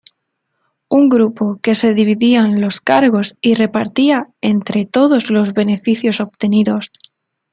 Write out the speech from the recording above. Un grupo que se dividían los cargos y repartía entre todos los beneficios obtenidos.